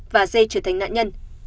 và dê trở thành nạn nhân